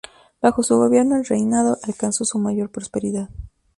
Bajo su gobierno, el reinado alcanzó su mayor prosperidad.